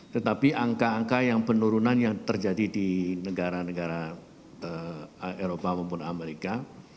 tetapi angka angka yang penurunan yang terjadi di negara negara eropa maupun amerika